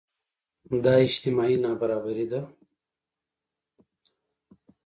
دا اجتماعي نابرابري ده.